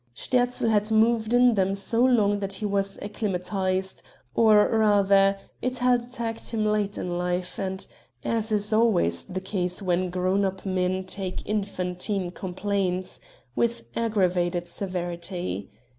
Sterzl had moved in them so long that he was acclimatized; or rather, it had attacked him late in life, and, as is always the case when grown up men take infantine complaints, with aggravated severity.